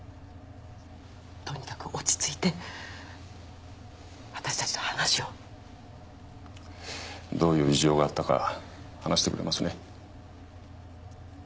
とにかく落ち着いて私たちの話をどういう事情があったか話してくれますね？